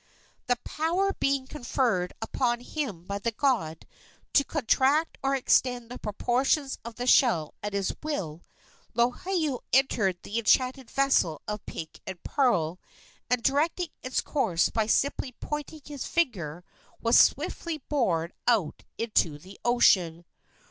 The power being conferred upon him by the god to contract or extend the proportions of the shell at his will, Lohiau entered the enchanted vessel of pink and pearl, and, directing its course by simply pointing his finger, was swiftly borne out into the ocean.